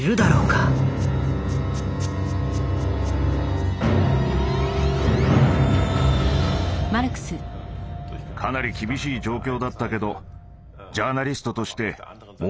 かなり厳しい状況だったけどジャーナリストとして燃えてきたんだ。